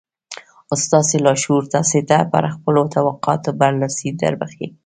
ستاسې لاشعور تاسې ته پر خپلو توقعاتو برلاسي دربښي